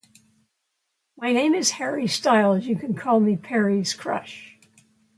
My name is Harry Styles, you can call me Perrie's crush.